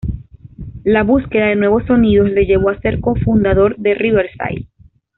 La búsqueda de nuevos sonidos le llevó a ser cofundador de Riverside.